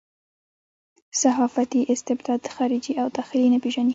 صحافتي استبداد خارجي او داخلي نه پېژني.